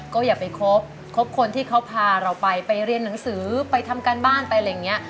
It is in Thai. ก็อย่าไปครบครบคนที่เขาพาเราไปไปเรียนหนังสือไปทำการบ้านไปอะไรอย่างนี้